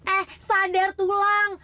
eh sadar tulang